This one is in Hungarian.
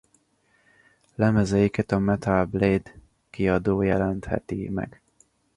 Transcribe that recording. Lemezeiket a Metal Blade kiadó jelenteti meg.